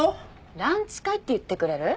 ランチ会って言ってくれる？